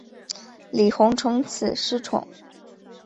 李弘从此失宠。